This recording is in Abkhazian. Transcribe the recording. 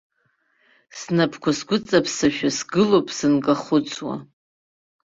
Снапқәа сгәыҵаԥсашәа сгылоуп сынкахәыцуа.